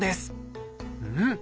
うん？